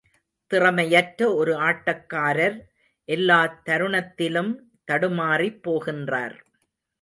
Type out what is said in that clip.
திறமையற்ற ஒரு ஆட்டக்காரர் எல்லா தருணத்திலும் தடுமாறிப் போகின்றார்.